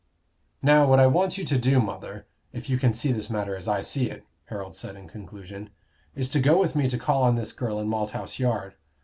"Now, what I want you to do, mother, if you can see this matter as I see it," Harold said in conclusion, "is to go with me to call on this girl in Malthouse Yard.